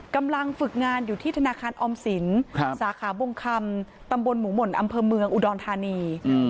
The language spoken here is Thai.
กำลังฝึกงานอยู่ที่ธนาคารออมสินสาขาบงคำตำบลหมูหม่นอำเภอเมืองอุดรธานี